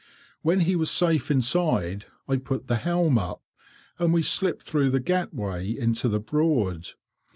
When he was safe inside, I put the helm up, and we slipped through the 'gatway' into the Broad.